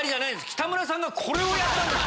北村さんがこれをやったんです。